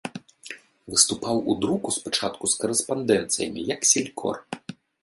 Выступаў у друку спачатку з карэспандэнцыямі як селькор.